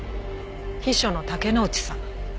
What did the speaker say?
秘書の竹之内さん。